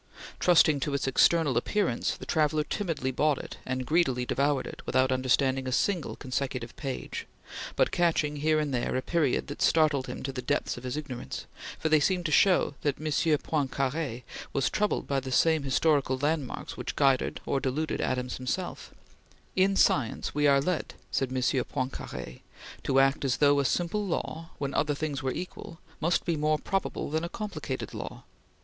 Trusting to its external appearance, the traveller timidly bought it, and greedily devoured it, without understanding a single consecutive page, but catching here and there a period that startled him to the depths of his ignorance, for they seemed to show that M. Poincare was troubled by the same historical landmarks which guided or deluded Adams himself: "[In science] we are led," said M. Poincare, "to act as though a simple law, when other things were equal, must be more probable than a complicated law.